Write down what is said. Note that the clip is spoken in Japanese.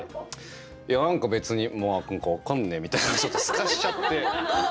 「いや何か別にまあ何か分かんねえ」みたいにちょっとすかしちゃって。